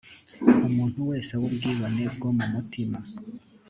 umuntu wese w ubwibone bwo mu mutima